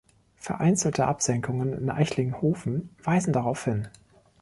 Vereinzelte Absenkungen in Eichlinghofen weisen darauf hin.